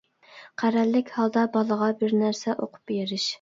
قەرەللىك ھالدا بالىغا بىر نەرسە ئوقۇپ بېرىش.